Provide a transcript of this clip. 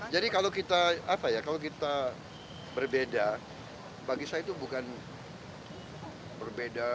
jadi kalau kita berbeda bagi saya itu bukan berbeda